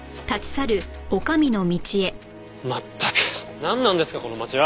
まったくなんなんですかこの街は。